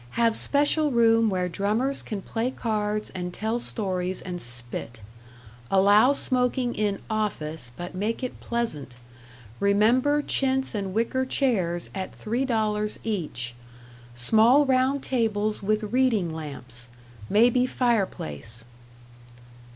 Have special room where drummers can play cards and tell stories and spit. Allow smoking in 'office,' but make it pleasant. Rem. chintz and wicker chairs at $3 each. Small round tables with reading lamps. Maybe fireplace.